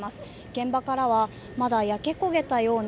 現場からはまだ焼け焦げたような